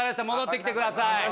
戻ってきてください。